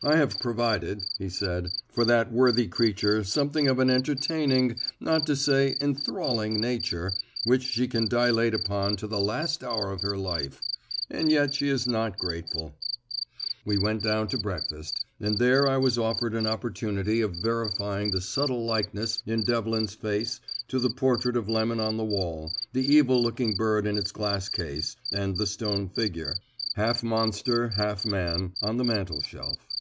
"I have provided," he said, "for that worthy creature something of an entertaining, not to say enthralling, nature, which she can dilate upon to the last hour of her life. And yet she is not grateful." We went down to breakfast, and there I was afforded an opportunity of verifying the subtle likeness in Devlin's face to the portrait of Lemon on the wall, the evil looking bird in its glass case, and the stone figure, half monster, half man, on the mantelshelf.